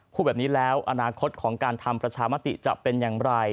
พูดแบบนี้แล้วอนาคตของการทำประชามติจะเป็นอย่างไร